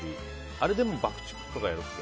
あれでも爆竹とかやるっけ？